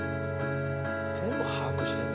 全部把握してるんだ。